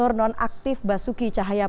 sehingga gubernur nonaktif basuki cahayapurni